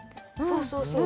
そうそうそう。